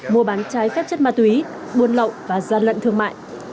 mua bán trái phép chất ma túy buôn lậu và gian lận thương mại